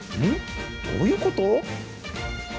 どういうこと？